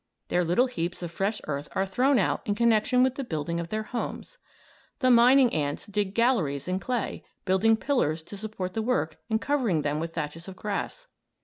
Their little heaps of fresh earth are thrown out in connection with the building of their homes. The mining ants dig galleries in clay, building pillars to support the work and covering them with thatches of grass.